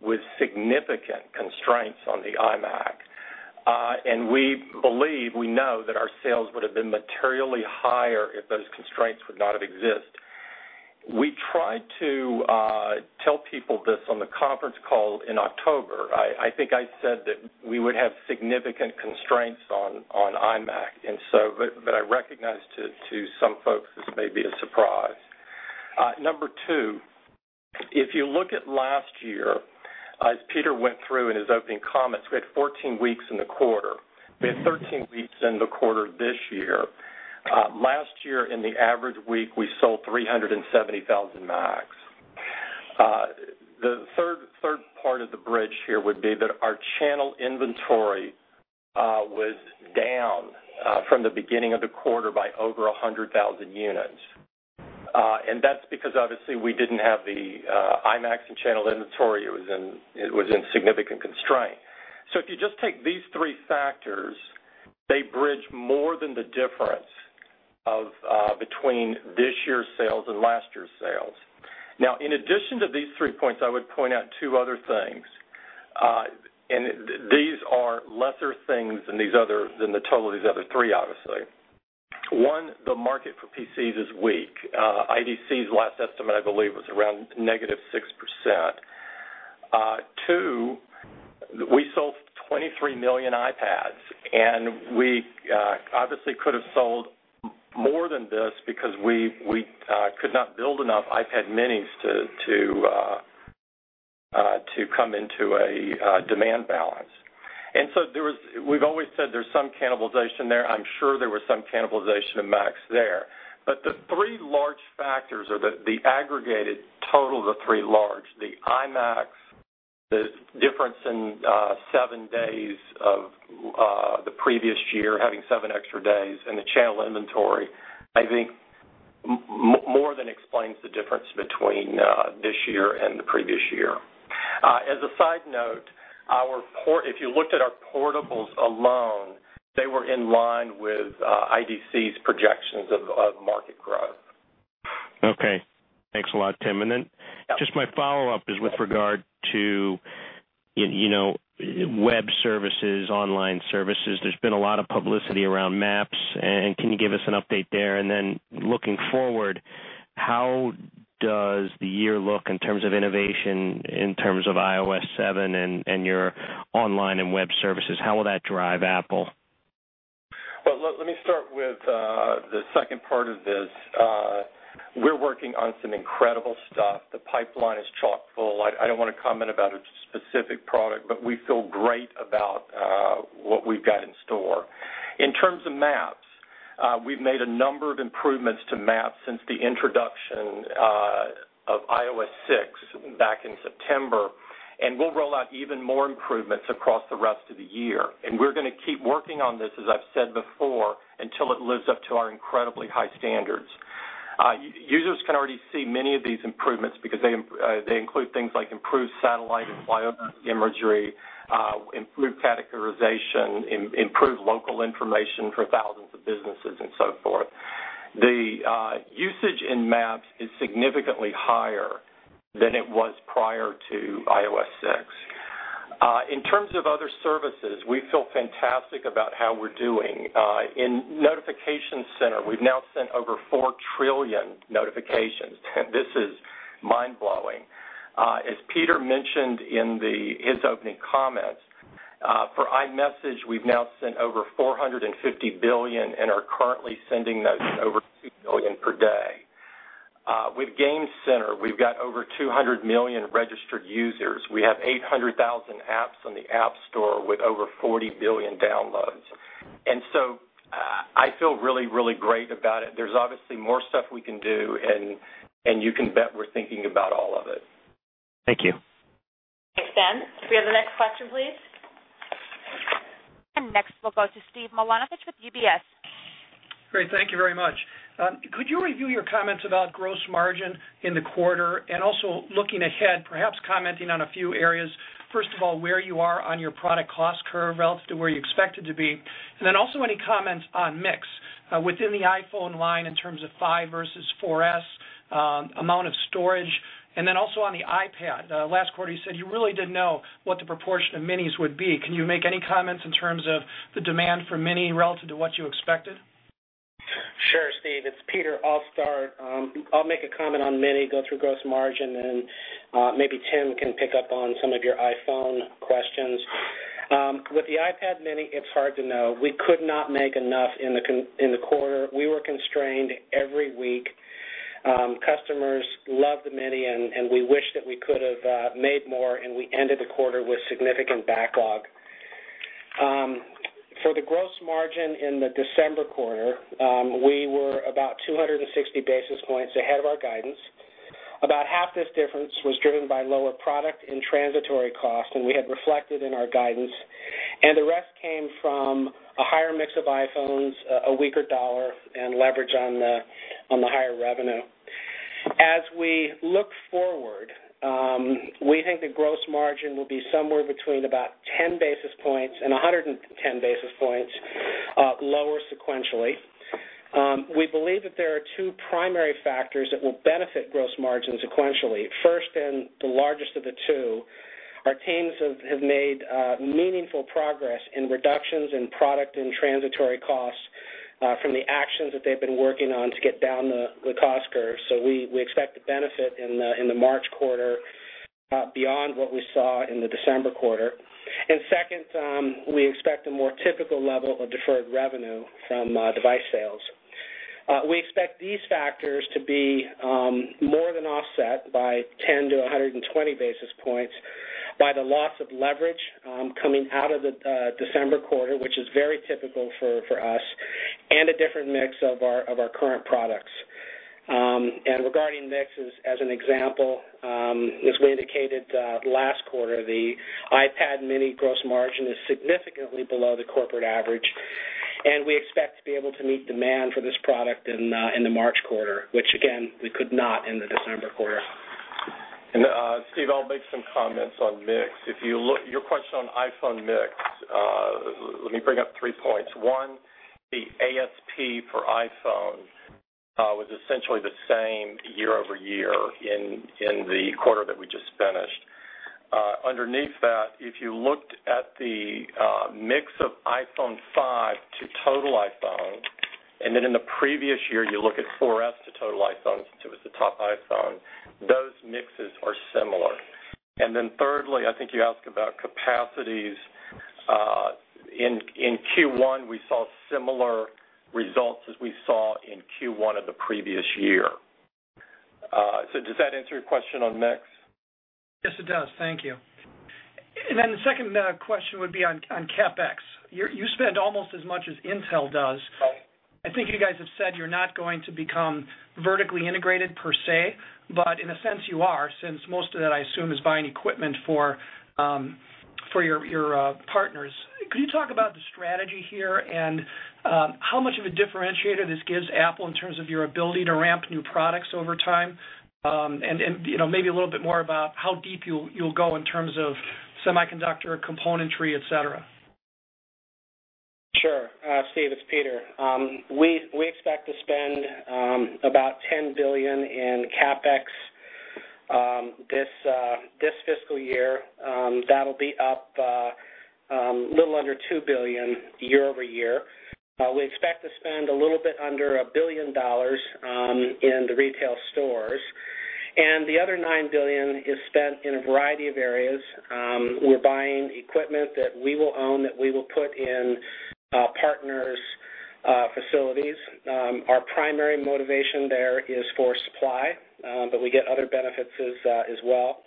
with significant constraints on the iMac, and we believe, we know, that our sales would have been materially higher if those constraints would not have existed. We tried to tell people this on the conference call in October. I think I said that we would have significant constraints on iMac, but I recognize to some folks this may be a surprise. Number two, if you look at last year, as Peter went through in his opening comments, we had 14 weeks in the quarter. We had 13 weeks in the quarter this year. Last year in the average week, we sold 370,000 Macs. The third part of the bridge here would be that our channel inventory was down from the beginning of the quarter by over 100,000 units. That's because obviously we didn't have the iMacs in channel inventory. It was in significant constraint. If you just take these three factors, they bridge more than the difference of between this year's sales and last year's sales. In addition to these 3 points, I would point out two other things. These are lesser things than these other, than the total of these other three, obviously. One, the market for PCs is weak. IDC's last estimate, I believe, was around -6%. Two, we sold 23 million iPads, and we obviously could have sold more than this because we could not build enough iPad minis to come into a demand balance. We've always said there's some cannibalization there. I'm sure there was some cannibalization of Macs there. The three large factors are the aggregated total of the three large, the iMacs, the difference in seven days of the previous year, having seven extra days, and the channel inventory, I think more than explains the difference between this year and the previous year. As a side note, if you looked at our portables alone, they were in line with IDC's projections of market growth. Okay. Thanks a lot, Tim. Yeah Just my follow-up is with regard to you know, web services, online services. There's been a lot of publicity around Maps. Can you give us an update there? Looking forward, how does the year look in terms of innovation, in terms of iOS 7 and your online and web services? How will that drive Apple? Well, let me start with the second part of this. We're working on some incredible stuff. The pipeline is chock-full. I don't wanna comment about a specific product, but we feel great about what we've got in store. In terms of Maps, we've made a number of improvements to Maps since the introduction of iOS 6 back in September, and we'll roll out even more improvements across the rest of the year. We're gonna keep working on this, as I've said before, until it lives up to our incredibly high standards. Users can already see many of these improvements because they include things like improved satellite and Flyover imagery, improved categorization, improved local information for thousands of businesses, and so forth. The usage in Maps is significantly higher than it was prior to iOS 6. In terms of other services, we feel fantastic about how we're doing. In Notification Center, we've now sent over 4 trillion notifications. This is mind-blowing. As Peter mentioned in his opening comments, for iMessage, we've now sent over 450 billion and are currently sending those over 2 billion per day. With Game Center, we've got over 200 million registered users. We have 800,000 apps on the App Store with over 40 billion downloads. I feel really, really great about it. There's obviously more stuff we can do, and you can bet we're thinking about all of it. Thank you. Thanks, Ben. Could we have the next question, please? Next we'll go to Steve Milunovich with UBS. Great. Thank you very much. Could you review your comments about gross margin in the quarter, and also looking ahead, perhaps commenting on a few areas? First of all, where you are on your product cost curve relative to where you expected to be. Any comments on mix within the iPhone line in terms of 5 versus 4S, amount of storage. Also on the iPad. Last quarter, you said you really didn't know what the proportion of minis would be. Can you make any comments in terms of the demand for mini relative to what you expected? Sure, Steve. It's Peter. I'll start. I'll make a comment on mini, go through gross margin. Maybe Tim can pick up on some of your iPhone questions. With the iPad mini, it's hard to know. We could not make enough in the quarter. We were constrained every week. Customers love the mini, and we wish that we could've made more. We ended the quarter with significant backlog. For the gross margin in the December quarter, we were about 260 basis points ahead of our guidance. About half this difference was driven by lower product and transitory costs we had reflected in our guidance. The rest came from a higher mix of iPhones, a weaker dollar, and leverage on the higher revenue. As we look forward, we think the gross margin will be somewhere between about 10 basis points and 110 basis points lower sequentially. We believe that there are two primary factors that will benefit gross margin sequentially. First, and the largest of the two, our teams have made meaningful progress in reductions in product and transitory costs from the actions that they've been working on to get down the cost curve. We expect to benefit in the March quarter beyond what we saw in the December quarter. Second, we expect a more typical level of deferred revenue from device sales. We expect these factors to be more than offset by 10 to 120 basis points by the loss of leverage coming out of the December quarter, which is very typical for us, and a different mix of our current products. Regarding mixes, as an example, as we indicated last quarter, the iPad mini gross margin is significantly below the corporate average, and we expect to be able to meet demand for this product in the March quarter, which again, we could not in the December quarter. Steve, I'll make some comments on mix. Your question on iPhone mix, let me bring up three points. One, the ASP for iPhone was essentially the same year-over-year in the quarter that we just finished. Underneath that, if you looked at the mix of iPhone 5 to total iPhone, and then in the previous year, you look at 4S to total iPhone, since it was the top iPhone, those mixes are similar. Thirdly, I think you asked about capacities. In Q1, we saw similar results as we saw in Q1 of the previous year. Does that answer your question on mix? Yes, it does. Thank you. The second question would be on CapEx. You spend almost as much as Intel does. I think you guys have said you're not going to become vertically integrated per se, but in a sense you are, since most of that, I assume, is buying equipment for your partners. Could you talk about the strategy here and how much of a differentiator this gives Apple in terms of your ability to ramp new products over time? You know, maybe a little bit more about how deep you'll go in terms of semiconductor componentry, et cetera. Sure. Steve, it's Peter. We expect to spend about $10 billion in CapEx this fiscal year. That'll be up a little under $2 billion year-over-year. We expect to spend a little bit under $1 billion in the retail stores. The other $9 billion is spent in a variety of areas. We're buying equipment that we will own, that we will put in partners' facilities. Our primary motivation there is for supply, but we get other benefits as well.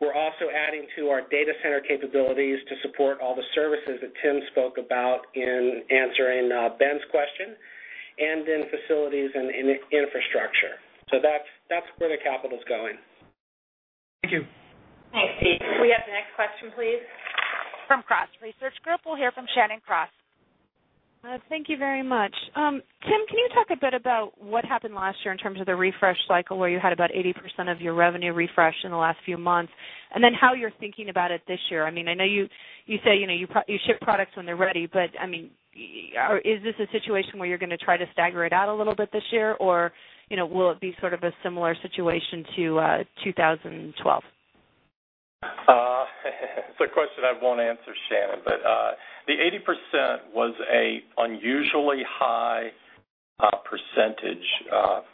We're also adding to our data center capabilities to support all the services that Tim spoke about in answering Ben's question and in facilities and in infrastructure. That's where the capital's going. Thank you. Thanks, Steve. Could we have the next question, please? From Cross Research Group, we'll hear from Shannon Cross. Thank you very much. Tim, can you talk a bit about what happened last year in terms of the refresh cycle, where you had about 80% of your revenue refresh in the last few months, and then how you're thinking about it this year? I mean, I know you say, you know, you ship products when they're ready, but, I mean, is this a situation where you're gonna try to stagger it out a little bit this year, or, you know, will it be sort of a similar situation to 2012? That's a question I won't answer, Shannon. The 80% was an unusually high percentage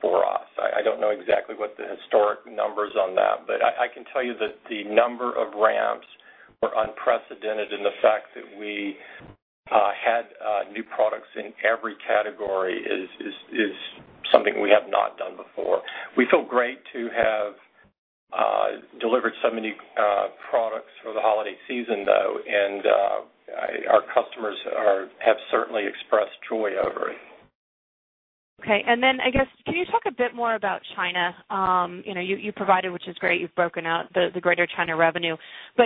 for us. I don't know exactly what the historic number is on that, but I can tell you that the number of ramps were unprecedented, and the fact that we had new products in every category is something we have not done before. We feel great to have delivered so many products for the holiday season, though, and our customers are, have certainly expressed joy over it. Okay. I guess, can you talk a bit more about China? You know, you provided, which is great, you've broken out the Greater China revenue.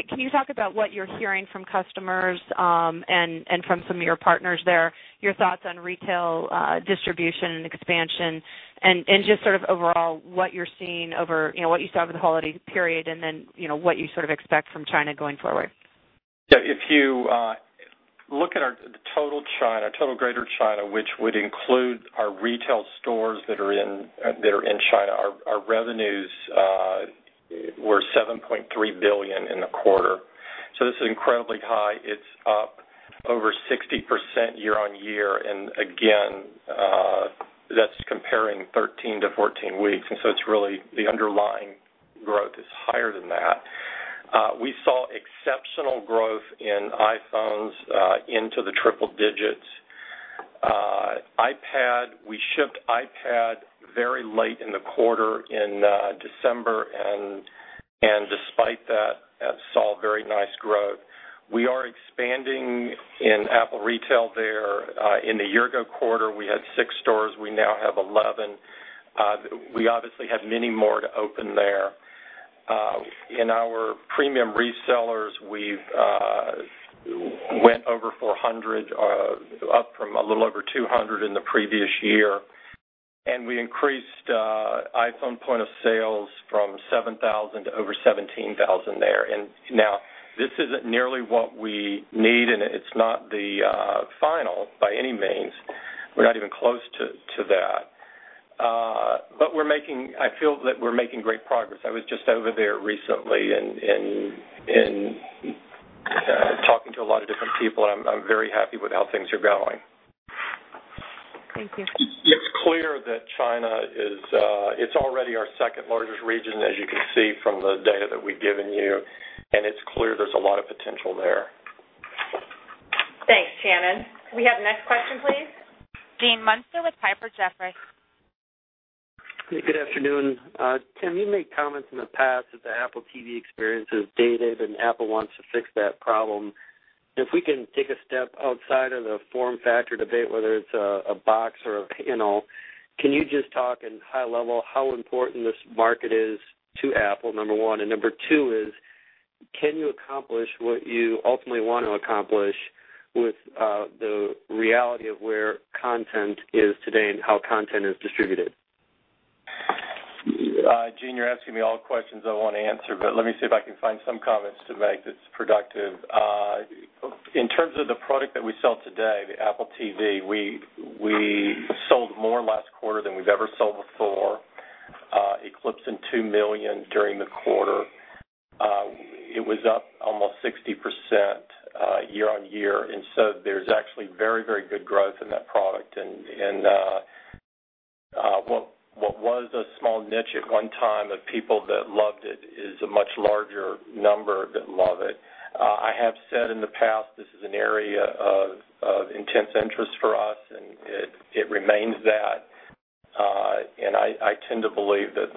Can you talk about what you're hearing from customers, and from some of your partners there, your thoughts on retail, distribution and expansion and just sort of overall what you're seeing over, you know, what you saw over the holiday period, and then, you know, what you sort of expect from China going forward? Yeah, if you look at our total China, total Greater China, which would include our Retail stores that are in, that are in China, our revenues were $7.3 billion in the quarter. This is incredibly high. It's up over 60% year-on-year. Again, that's comparing 13 to 14 weeks, it's really the underlying growth is higher than that. We saw exceptional growth in iPhones, into the triple digits. iPad, we shipped iPad very late in the quarter in December, and despite that, saw very nice growth. We are expanding in Apple Retail there. In the year ago quarter, we had six stores. We now have 11. We obviously have many more to open there. In our premium resellers, we've went over 400, up from a little over 200 in the previous year, and we increased iPhone point of sales from 7,000 to over 17,000 there. Now this isn't nearly what we need, and it's not the final by any means. We're not even close to that. I feel that we're making great progress. I was just over there recently and talking to a lot of different people, and I'm very happy with how things are going. Thank you. It's clear that China is, it's already our second largest region, as you can see from the data that we've given you, and it's clear there's a lot of potential there. Thanks, Shannon. Could we have the next question, please? Gene Munster with Piper Jaffray. Hey, good afternoon. Tim, you made comments in the past that the Apple TV experience is dated, and Apple wants to fix that problem. If we can take a step outside of the form factor debate, whether it's a box or a panel, can you just talk in high level how important this market is to Apple, number one? Number two is, can you accomplish what you ultimately want to accomplish with the reality of where content is today and how content is distributed? Gene, you're asking me all questions I want to answer, but let me see if I can find some comments to make that's productive. In terms of the product that we sell today, the Apple TV, we sold more last quarter than we've ever sold before, eclipsing 2 million during the quarter. It was up almost 60% year-on-year, there's actually very, very good growth in that product. What was a small niche at one time of people that loved it is a much larger number that love it. I have said in the past this is an area of intense interest for us, and it remains that. I tend to believe that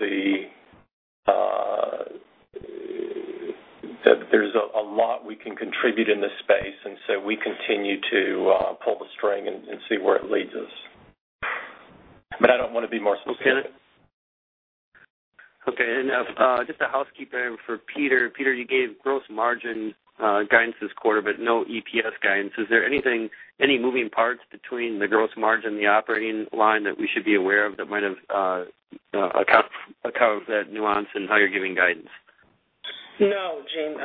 there's a lot we can contribute in this space. We continue to pull the string and see where it leads us. I don't want to be more specific. Okay. Okay, just a housekeeping for Peter. Peter, you gave gross margin guidance this quarter but no EPS guidance. Is there anything, any moving parts between the gross margin and the operating line that we should be aware of that might have account for that nuance in how you're giving guidance? No, Gene.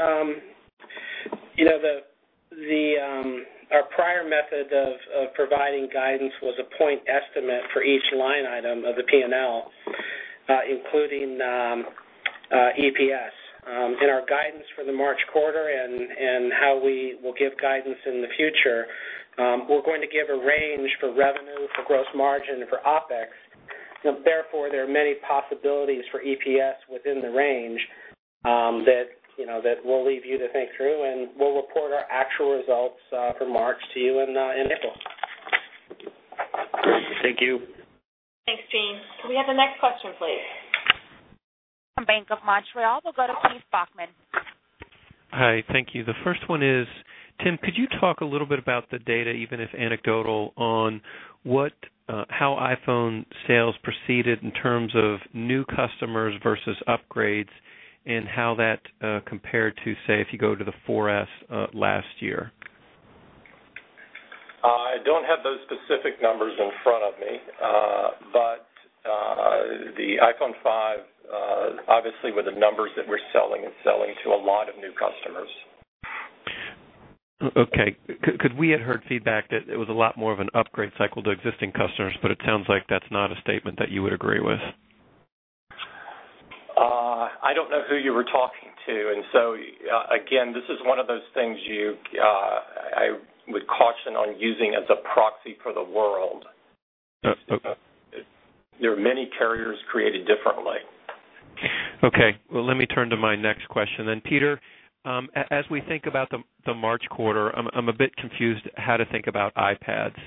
You know, our prior method of providing guidance was a point estimate for each line item of the P&L, including EPS. In our guidance for the March quarter and how we will give guidance in the future, we're going to give a range for revenue, for gross margin, and for OpEx. Therefore, there are many possibilities for EPS within the range, you know, that we'll leave you to think through, and we'll report our actual results for March to you in April. Thank you. Thanks, Gene. Could we have the next question, please? From Bank of Montreal, we'll go to Keith Bachman. Hi. Thank you. The first one is, Tim, could you talk a little bit about the data, even if anecdotal, on what, how iPhone sales proceeded in terms of new customers versus upgrades and how that compared to, say, if you go to the 4S last year? I don't have those specific numbers in front of me. The iPhone 5, obviously with the numbers that we're selling and selling to a lot of new customers. Okay. Could we had heard feedback that it was a lot more of an upgrade cycle to existing customers, but it sounds like that's not a statement that you would agree with. I don't know who you were talking to, again, this is one of those things you, I would caution on using as a proxy for the world. Okay. There are many carriers created differently. Okay. Well, let me turn to my next question then. Peter, as we think about the March quarter, I'm a bit confused how to think about iPads.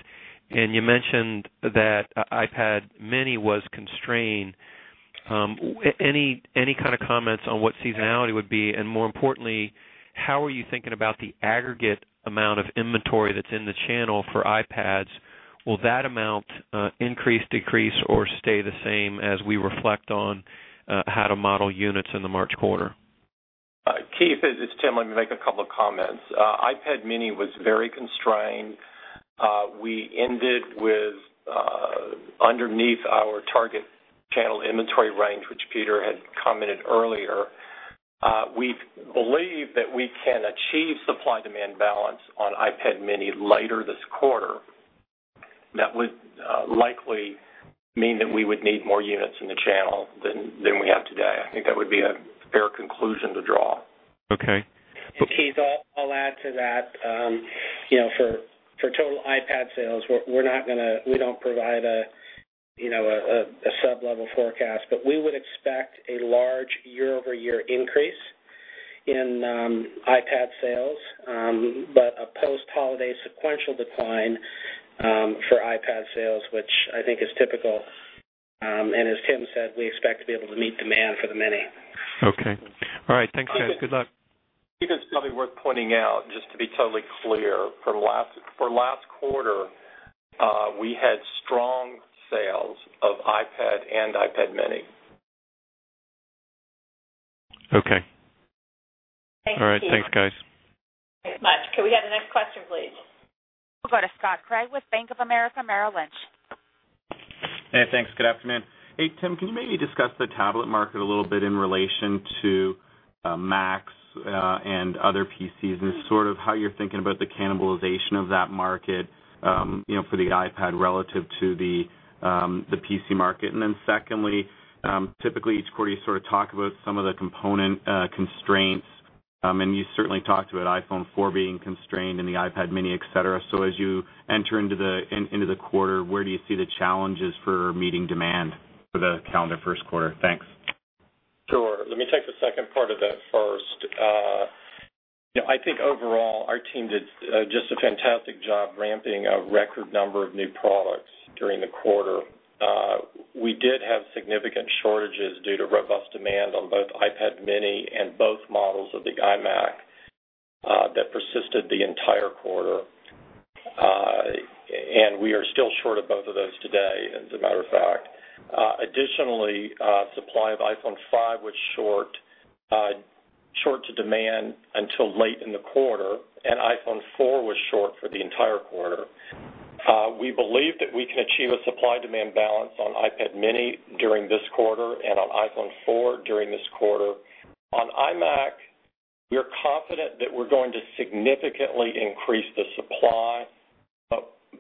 You mentioned that iPad mini was constrained. Any kind of comments on what seasonality would be? More importantly, how are you thinking about the aggregate amount of inventory that's in the channel for iPads? Will that amount increase, decrease, or stay the same as we reflect on how to model units in the March quarter? Keith, it's Tim. Let me make a couple of comments. iPad mini was very constrained. We ended with underneath our target channel inventory range, which Peter had commented earlier. We believe that we can achieve supply-demand balance on iPad mini later this quarter. That would likely mean that we would need more units in the channel than we have today. I think that would be a fair conclusion to draw. Okay. Keith, I'll add to that. You know, for total iPad sales, we don't provide a sub-level forecast, but we would expect a large year-over-year increase in iPad sales, but a post-holiday sequential decline for iPad sales, which I think is typical. As Tim said, we expect to be able to meet demand for the Mini. Okay. All right. Thanks, guys. Good luck. Keith, it's probably worth pointing out, just to be totally clear, for last quarter, we had strong sales of iPad and iPad mini. Okay. Thanks, Keith. All right. Thanks, guys. Thanks much. Could we have the next question, please? We'll go to Scott Craig with Bank of America Merrill Lynch. Hey, thanks. Good afternoon. Hey, Tim, can you maybe discuss the tablet market a little bit in relation to Macs and other PCs, and sort of how you're thinking about the cannibalization of that market, you know, for the iPad relative to the PC market? Secondly, typically each quarter you sort of talk about some of the component constraints, and you certainly talked about iPhone 4 being constrained and the iPad mini, et cetera. As you enter into the quarter, where do you see the challenges for meeting demand for the calendar first quarter? Thanks. Sure. Let me take the second part of that first. You know, I think overall our team did just a fantastic job ramping a record number of new products during the quarter. We did have significant shortages due to robust demand on both iPad mini and both models of the iMac that persisted the entire quarter. We are still short of both of those today, as a matter of fact. Additionally, supply of iPhone 5 was short to demand until late in the quarter, and iPhone 4 was short for the entire quarter. We believe that we can achieve a supply-demand balance on iPad mini during this quarter and on iPhone 4 during this quarter. On iMac, we are confident that we're going to significantly increase the supply.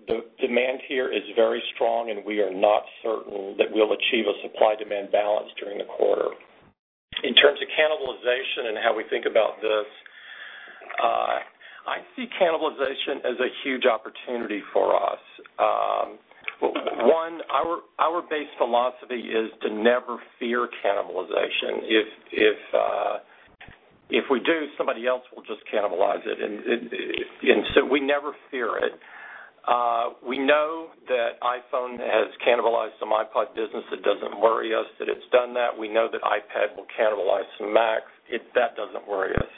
The demand here is very strong, and we are not certain that we'll achieve a supply-demand balance during the quarter. In terms of cannibalization and how we think about this, I see cannibalization as a huge opportunity for us. Our base philosophy is to never fear cannibalization. If we do, somebody else will just cannibalize it, and we never fear it. We know that iPhone has cannibalized some iPod business. It doesn't worry us that it's done that. We know that iPad will cannibalize some Macs. That doesn't worry us.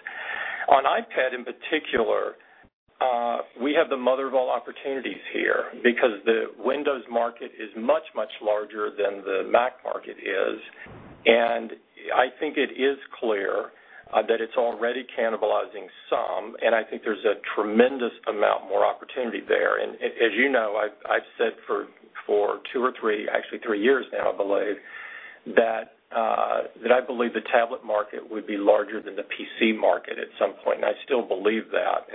On iPad, in particular, we have the mother of all opportunities here because the Windows market is much, much larger than the Mac market is. I think it is clear that it's already cannibalizing some, and I think there's a tremendous amount more opportunity there. As you know, I've said for two or three, actually three years now, I believe, that I believe the tablet market would be larger than the PC market at some point. I still believe that.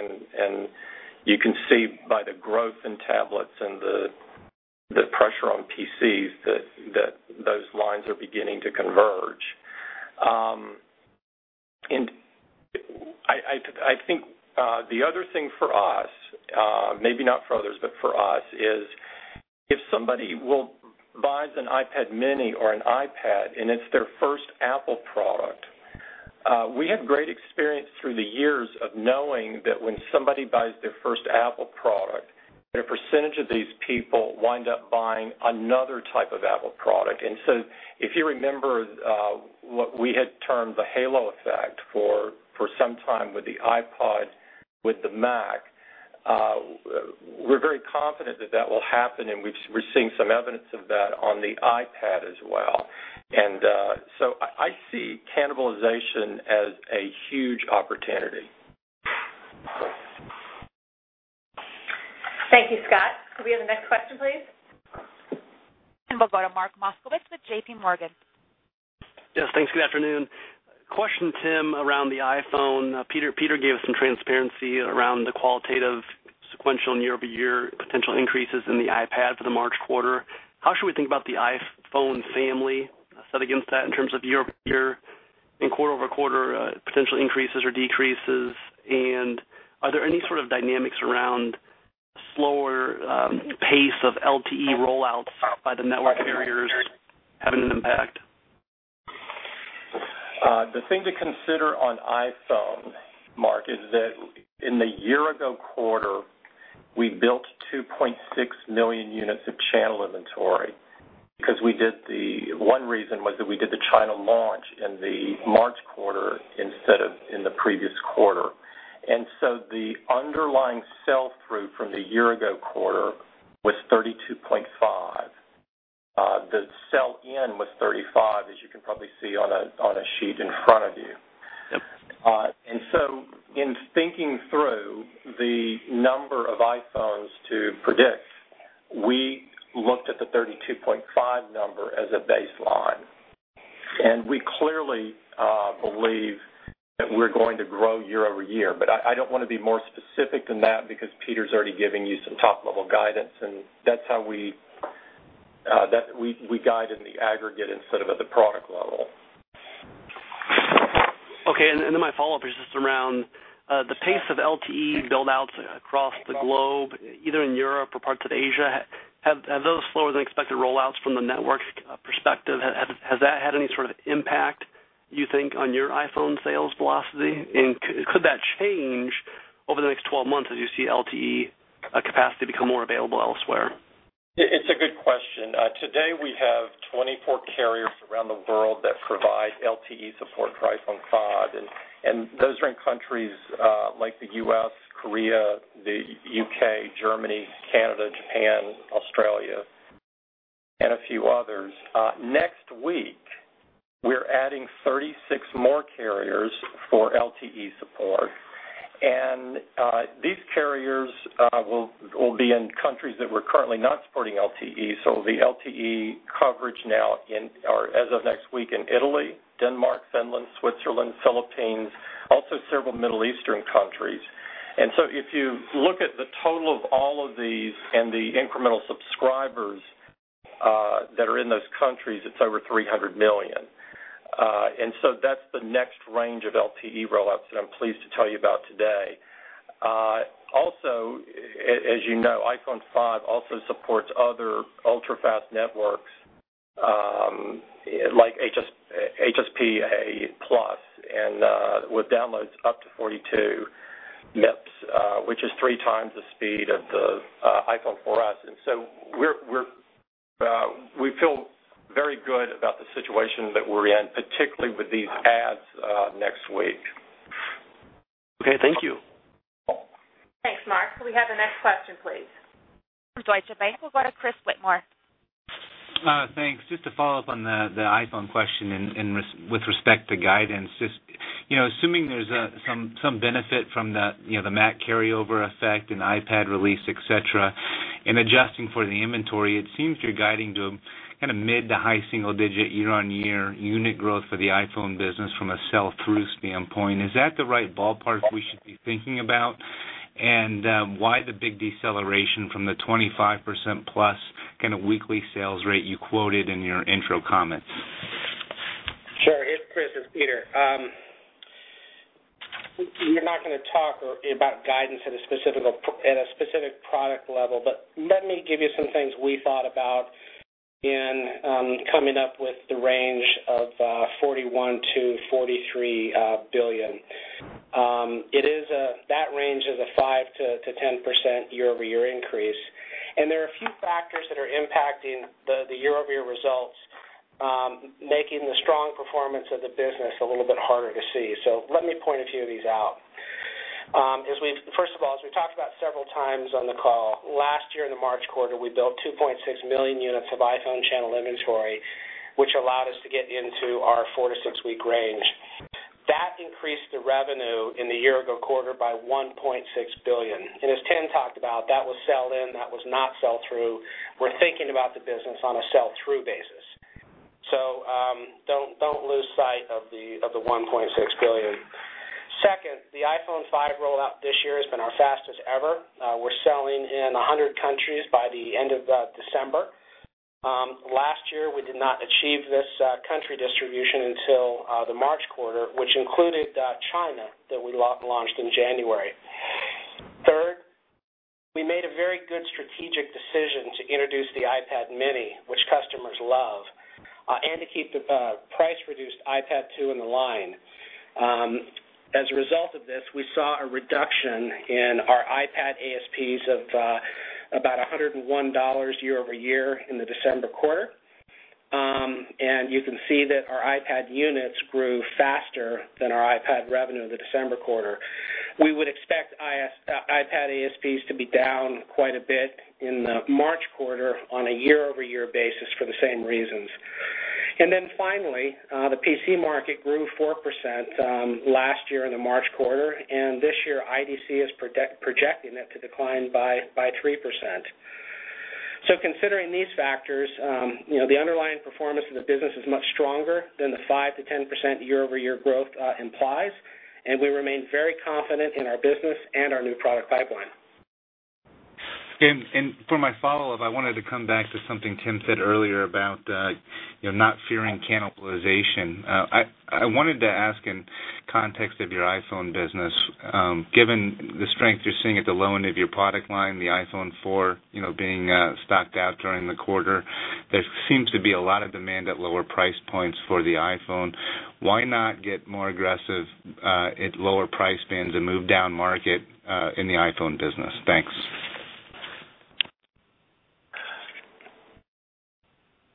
You can see by the growth in tablets and the pressure on PCs that those lines are beginning to converge. I think the other thing for us, maybe not for others, but for us, is if somebody buys an iPad mini or an iPad and it's their first Apple product, we have great experience through the years of knowing that when somebody buys their first Apple product, a % of these people wind up buying another type of Apple product. If you remember what we had termed the halo effect for some time with the iPod, with the Mac, we're very confident that that will happen, and we're seeing some evidence of that on the iPad as well. So I see cannibalization as a huge opportunity. Thank you, Scott. Could we have the next question, please? We'll go to Mark Moskowitz with JPMorgan. Yes. Thanks. Good afternoon. Question, Tim, around the iPhone. Peter gave us some transparency around the qualitative sequential and year-over-year potential increases in the iPad for the March quarter. How should we think about the iPhone family set against that in terms of year-over-year and quarter-over-quarter potential increases or decreases? Are there any sort of dynamics around slower pace of LTE rollouts by the network carriers having an impact? The thing to consider on iPhone, Mark, is that in the year-ago quarter, we built 2.6 million units of channel inventory because One reason was that we did the China launch in the March quarter instead of in the previous quarter. The underlying sell-through from the year-ago quarter was 32.5. The sell-in was 35, as you can probably see on a, on a sheet in front of you. Yep. In thinking through the number of iPhones to predict, we looked at the 32.5 number as a baseline. We clearly believe that we're going to grow year-over-year. I don't wanna be more specific than that because Peter's already giving you some top-level guidance, and that's how we guide in the aggregate instead of at the product level. Okay. Then my follow-up is just around the pace of LTE build-outs across the globe, either in Europe or parts of Asia. Have those slower than expected rollouts from the network's perspective, has that had any sort of impact, you think, on your iPhone sales velocity? Could that change over the next 12 months as you see LTE capacity become more available elsewhere? It's a good question. Today, we have 24 carriers around the world that provide LTE support for iPhone 5, and those are in countries like the U.S., Korea, the U.K., Germany, Canada, Japan, Australia, and a few others. Next week, we're adding 36 more carriers for LTE support. These carriers will be in countries that were currently not supporting LTE. The LTE coverage now in, or as of next week, in Italy, Denmark, Finland, Switzerland, Philippines, also several Middle Eastern countries. If you look at the total of all of these and the incremental subscribers that are in those countries, it's over $300 million. That's the next range of LTE rollouts that I'm pleased to tell you about today. Also, as you know, iPhone 5 also supports other ultra-fast networks, like HSPA+ and with downloads up to 42 Mbps, which is three times the speed of the iPhone 4S. We feel very good about the situation that we're in, particularly with these adds next week. Okay. Thank you. Thanks, Mark. Could we have the next question, please? Deutsche Bank. We'll go to Chris Whitmore. Thanks. Just to follow up on the iPhone question with respect to guidance. Just, you know, assuming there's some benefit from the, you know, the Mac carryover effect and iPad release, et cetera, and adjusting for the inventory, it seems you're guiding to a kinda mid to high single-digit year-over-year unit growth for the iPhone business from a sell-through standpoint. Is that the right ballpark we should be thinking about? Why the big deceleration from the 25%+ kinda weekly sales rate you quoted in your intro comments? Sure. Hey, Chris, it's Peter. We're not gonna talk about guidance at a specific product level, but let me give you some things we thought about in coming up with the range of $41 billion-$43 billion. That range is a 5%-10% year-over-year increase. There are a few factors that are impacting the year-over-year results, making the strong performance of the business a little bit harder to see. Let me point a few of these out. First of all, as we've talked about several times on the call, last year in the March quarter, we built 2.6 million units of iPhone channel inventory, which allowed us to get into our four to six week range. That increased the revenue in the year-ago quarter by $1.6 billion. As Tim talked about, that was sell-in, that was not sell-through. We're thinking about the business on a sell-through basis. Don't lose sight of the $1.6 billion. Second, the iPhone 5 rollout this year has been our fastest ever. We're selling in 100 countries by the end of December. Last year, we did not achieve this country distribution until the March quarter, which included China that we launched in January. Third, we made a very good strategic decision to introduce the iPad mini, which customers love, and to keep the price-reduced iPad 2 in the line. As a result of this, we saw a reduction in our iPad ASPs of about $101 year-over-year in the December quarter. You can see that our iPad units grew faster than our iPad revenue in the December quarter. We would expect iPad ASPs to be down quite a bit in the March quarter on a year-over-year basis for the same reasons. Finally, the PC market grew 4% last year in the March quarter, and this year, IDC is projecting it to decline by 3%. Considering these factors, you know, the underlying performance of the business is much stronger than the 5%-10% year-over-year growth implies, and we remain very confident in our business and our new product pipeline. For my follow-up, I wanted to come back to something Tim said earlier about, you know, not fearing cannibalization. I wanted to ask in context of your iPhone business. Given the strength you're seeing at the low end of your product line, the iPhone 4, you know, being stocked out during the quarter, there seems to be a lot of demand at lower price points for the iPhone. Why not get more aggressive at lower price bands and move down market in the iPhone business? Thanks.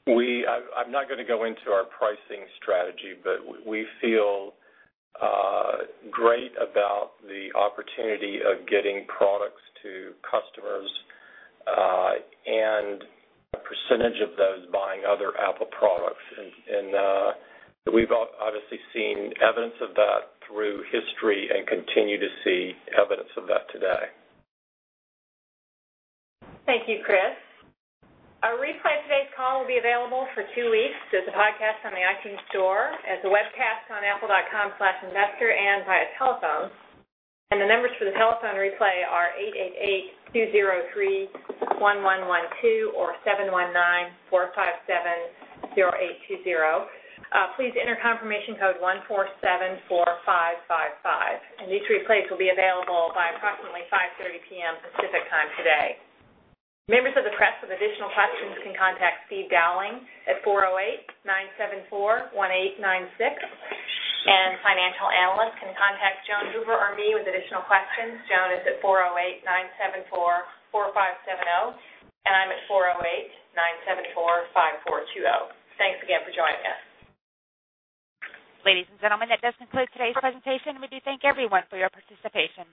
I'm not gonna go into our pricing strategy, but we feel great about the opportunity of getting products to customers, and a % of those buying other Apple products. We've obviously seen evidence of that through history and continue to see evidence of that today. Thank you, Chris. A replay of today's call will be available for two weeks as a podcast on the iTunes Store, as a webcast on apple.com/investor and via telephone. The numbers for the telephone replay are 888-203-1112 or 719-457-0820. Please enter confirmation code 1474555, and these replays will be available by approximately 5:30 P.M. Pacific Time today. Members of the press with additional questions can contact Steve Dowling at 408-974-1896. Financial analysts can contact Joan Hoover or me with additional questions. Joan is at 408-974-4570, and I'm at 408-974-5420. Thanks again for joining us. Ladies and gentlemen, that does conclude today's presentation. We do thank everyone for your participation.